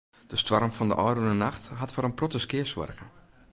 De stoarm fan de ôfrûne nacht hat foar in protte skea soarge.